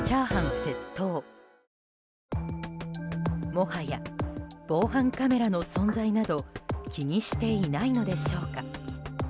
もはや、防犯カメラの存在など気にしていないのでしょうか。